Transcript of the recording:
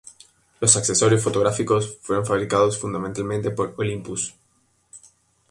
Los accesorios fotográficos fueron fabricados fundamentalmente por Olympus.